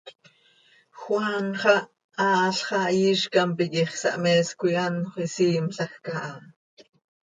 Juan xah, aal xah, iizcam piquix, sahmees coi anxö isiimlajc aha.